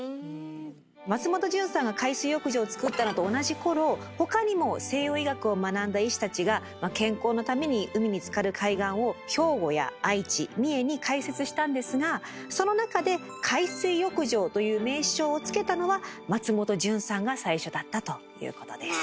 松本順さんが海水浴場をつくったのと同じころ他にも西洋医学を学んだ医師たちが健康のために海につかる海岸を兵庫や愛知三重に開設したんですがその中で「海水浴場」という名称をつけたのは松本順さんが最初だったということです。